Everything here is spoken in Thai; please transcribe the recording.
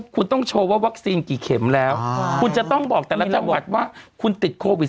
คุณต้องโชว์ว่าวัคซีนกี่เข็มแล้วคุณจะต้องบอกแต่ละจังหวัดว่าคุณติดโควิด๑